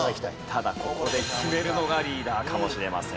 ただここで決めるのがリーダーかもしれません。